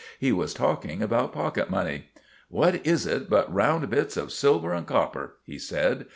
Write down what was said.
He was talking about pocket money. "What is it but round bits of silver and copper?" he said.